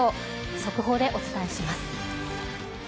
速報でお伝えします。